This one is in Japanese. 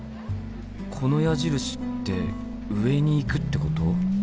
この矢印って上に行くってこと？